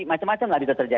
macem macem lah bisa terjadi